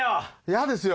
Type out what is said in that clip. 嫌ですよ。